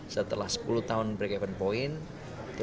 setelah sepuluh tahun break even point